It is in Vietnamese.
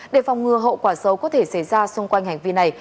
để phòng ngừa hậu quả xấu có thể xảy ra xung quanh hành vi này